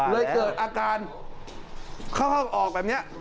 เกิดอาการเข้าห้องออกแบบนี้